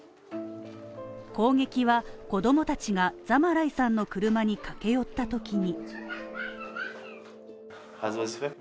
攻撃は子供たちがザマライさんの車に駆け寄ったときに。